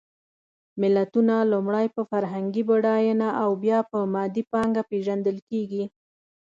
ملتونه لومړی په فرهنګي بډایېنه او بیا په مادي پانګه پېژندل کېږي.